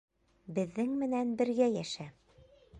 Беҙҙең менән бергә йәшә.